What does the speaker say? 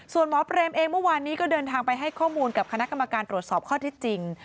ส่วนหมอเปรมเองเมื่อวานนี้ก็เดินทางไปให้ข้อมูลกับคณะกรรมการตรวจสอบข้อที่จริง